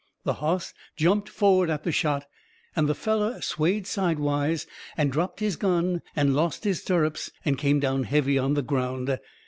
The hoss jumped forward at the shot, and the feller swayed sideways and dropped his gun and lost his stirrups and come down heavy on the ground.